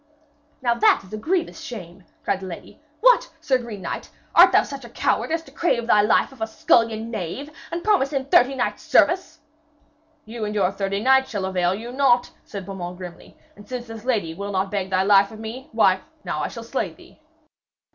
'Now that is a grievous shame!' cried the lady, 'What, Sir Green Knight, art such a coward as to crave thy life of a scullion knave, and promise him thirty knights' service!' 'You and your thirty knights shall avail you naught,' said Beaumains grimly, 'and since this lady will not beg thy life of me, why, now I shall slay thee.'